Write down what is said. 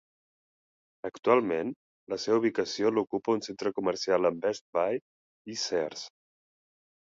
Actualment la seva ubicació l'ocupa un centre comercial amb Best Buy i Sears.